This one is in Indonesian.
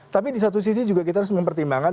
tapi di satu sisi juga kita harus mempertimbangkan